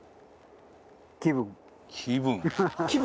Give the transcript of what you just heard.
気分。